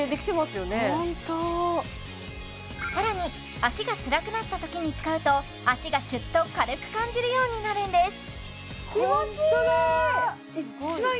すっごホント更に脚がつらくなったときに使うと脚がシュッと軽く感じるようになるんです